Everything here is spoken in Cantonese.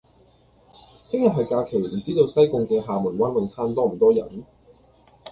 聽日係假期，唔知道西貢嘅廈門灣泳灘多唔多人？